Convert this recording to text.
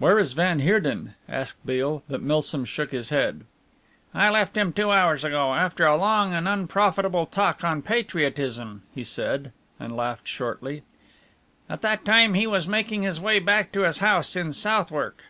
"Where is van Heerden?" asked Beale, but Milsom shook his head. "I left him two hours ago, after a long and unprofitable talk on patriotism," he said, and laughed shortly. "At that time he was making his way back to his house in Southwark."